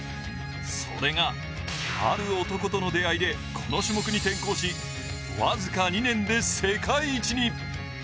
それがある男との出会いでこの種目に転向し僅か２年で世界一に。